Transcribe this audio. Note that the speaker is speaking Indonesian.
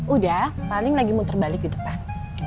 udah paling lagi muter balik di depan